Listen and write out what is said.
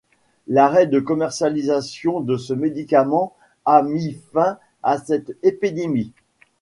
L'arrêt de commercialisation de ce médicament a mis fin à cette épidémie.